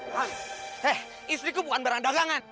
hei istriku bukan barang dagangan